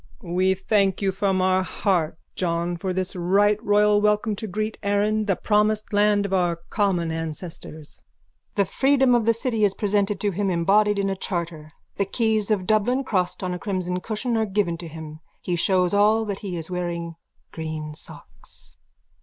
_ We thank you from our heart, John, for this right royal welcome to green Erin, the promised land of our common ancestors. _(The freedom of the city is presented to him embodied in a charter. The keys of Dublin, crossed on a crimson cushion, are given to him. He shows all that he is wearing green socks.)